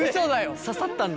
刺さったんだ。